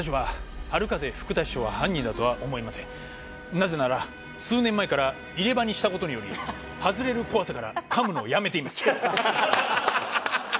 なぜなら数年前から入れ歯にした事により外れる怖さから噛むのをやめています。